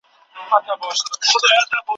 چي ستا په یاد په سپینو شپو راباندي څه تېرېږي